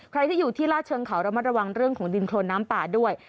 ใครที่อยู่ที่ลาดเชิงเขาระมัดระวังเรื่องของดินโครนน้ำป่าด้วย